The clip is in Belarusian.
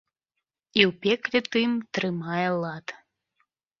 І ў пекле тым трымае лад!